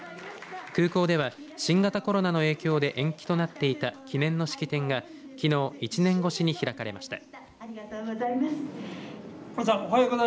空港では新型コロナの影響で延期となっていた記念の式典がきのう１年越しに開かれました。